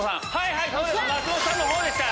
はい松本さんの方でした。